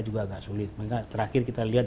juga agak sulit maka terakhir kita lihat